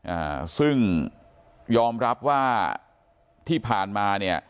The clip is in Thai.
อ่าซึ่งยอมรับว่าที่ผ่านมาเนี่ย